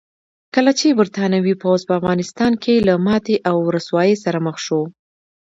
کله چې برتانوي پوځ په افغانستان کې له ماتې او رسوایۍ سره مخ شو.